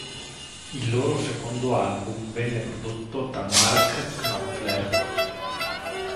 Il loro secondo album venne prodotto da Mark Knopfler.